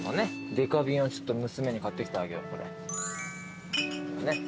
デカ瓶はちょっと娘に買ってきてあげよう。